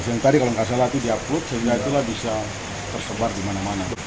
yang tadi kalau nggak salah itu di upload sehingga itulah bisa tersebar di mana mana